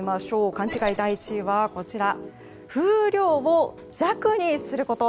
勘違い第１位は風量を弱にすること。